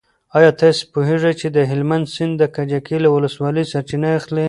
ایا ته پوهېږې چې د هلمند سیند د کجکي له ولسوالۍ سرچینه اخلي؟